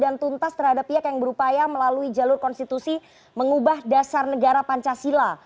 tuntas terhadap pihak yang berupaya melalui jalur konstitusi mengubah dasar negara pancasila